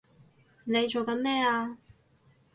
你做緊咩啊！